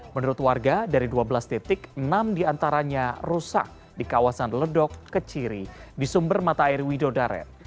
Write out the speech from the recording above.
menurut warga dari dua belas titik enam diantaranya rusak di kawasan ledok keciri di sumber mata air widodaret